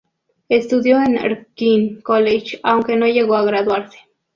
Estudió en Erskine College, aunque no llegó a graduarse.